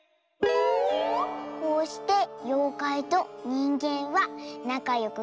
「こうしてようかいとにんげんはなかよくくらしましたとさ。